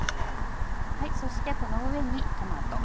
そしてこの上にトマト。